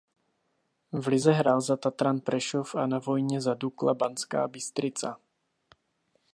V lize hrál za Tatran Prešov a na vojně za Dukla Banská Bystrica.